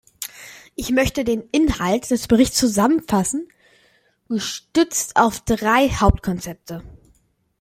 Ich möchte den Inhalt des Berichts zusammenfassen, gestützt auf drei Hauptkonzepte.